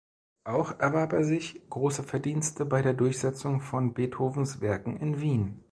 Auch erwarb er sich große Verdienste bei der Durchsetzung von Beethovens Werken in Wien.